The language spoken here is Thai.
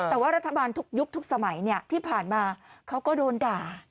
แต่ว่ารัฐบาลทุกยุคทุกสมัยที่ผ่านมาเขาก็โดนด่า